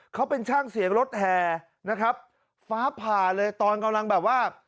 เขาเป็นช่างเสียงรถแห่นะครับฟ้าผ่าเลยตอนกำลังแบบว่า